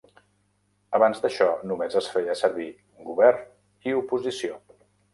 Abans d'això, només es feia servir "Govern" i "Oposició".